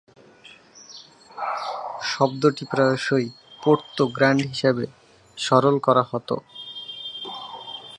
শব্দটি প্রায়শই Porto grand হিসাবে সরল করা হত।